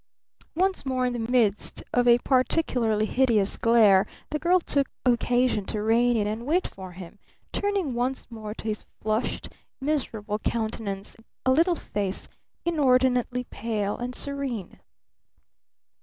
Once more in the midst of a particularly hideous glare the girl took occasion to rein in and wait for him, turning once more to his flushed, miserable countenance a little face inordinately pale and serene.